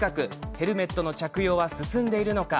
ヘルメットの着用は進んでいるのか。